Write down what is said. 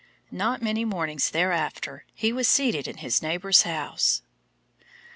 Not many mornings thereafter he was seated in his neighbour's house.